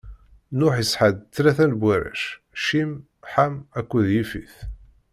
Nuḥ isɛa-d tlata n warrac: Cim, Ḥam akked Yifit.